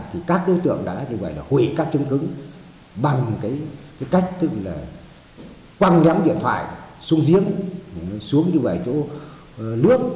thì các đối tượng đã như vậy là khuy các chứng cứ bằng cái cách tức là quăng nhắm điện thoại xuống giếng xuống như vậy chỗ nước